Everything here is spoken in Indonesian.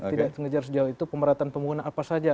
tidak mengejar sejauh itu pemerataan pembangunan apa saja